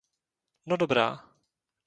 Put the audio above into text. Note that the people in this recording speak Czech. No dobrá.